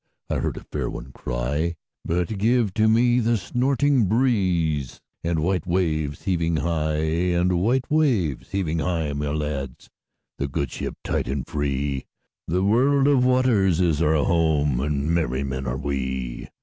I heard a fair one cry:But give to me the snoring breezeAnd white waves heaving high; And white waves heaving high, my lads, The good ship tight and free—The world of waters is our home, And merry men are we.